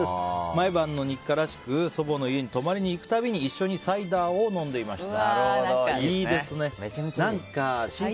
毎晩の日課らしく祖母の家に泊まりに行くたびに一緒にサイダーを飲んでいました。